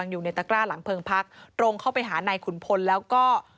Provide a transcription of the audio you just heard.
อยู่ในตะกร้าหลังเพลิงพักตรงเข้าไปหานายขุนพลแล้วก็